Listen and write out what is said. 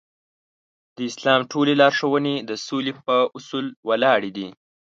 د اسلام ټولې لارښوونې د سولې په اصول ولاړې دي.